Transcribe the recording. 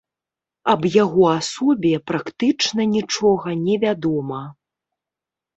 Аб яго асобе практычна нічога не вядома.